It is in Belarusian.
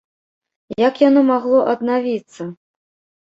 Як яно магло аднавіцца?